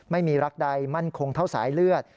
ไม่มีรักใดมั่นคงเท่าสายเลือด